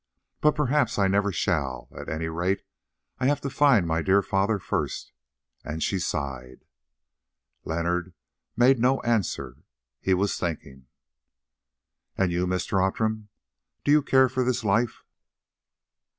But perhaps I never shall; at any rate, I have to find my dear father first," and she sighed. Leonard made no answer; he was thinking. "And you, Mr. Outram, do you care for this life?"